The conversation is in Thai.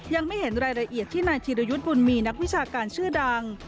ยังไม่เห็นรายละเอียดที่นายธีรยุทธ์บุญมีนักวิชาการชื่อดัง